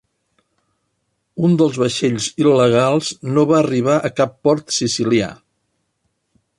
Un dels vaixells il·legals no va arribar a cap port sicilià.